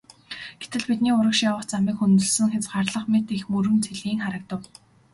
Гэтэл бидний урагш явах замыг хөндөлсөн хязгаарлах мэт их мөрөн цэлийн харагдав.